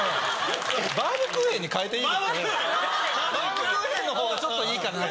バームクーヘンの方がちょっといいかな。